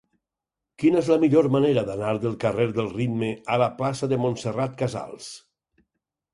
Quina és la millor manera d'anar del carrer del Ritme a la plaça de Montserrat Casals?